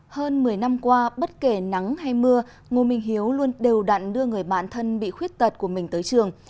hơn một mươi năm qua bất kể nắng hay mưa ngô minh hiếu luôn đều đặn đưa người bạn thân bị khuyết tật của mình tới trường